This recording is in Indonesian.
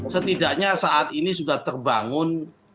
setidaknya saat ini sudah terbangun